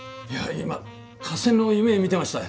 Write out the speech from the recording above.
今合戦の夢見てましたよ。